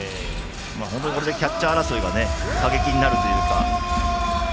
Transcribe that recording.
本当にキャッチャー争いが過激になるというか。